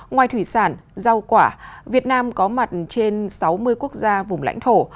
ngoài thủy sản rau quả việt nam có mặt trên sáu mươi quốc gia vùng lãnh thổ